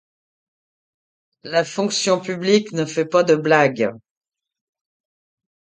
La fonction publique ne fait pas de blagues.